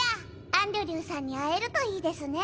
アンドリューさんに会えるといいですね。